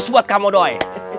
seratus buat kamu doi